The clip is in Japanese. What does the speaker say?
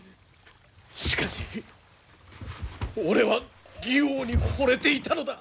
しかし俺は妓王にほれていたのだ！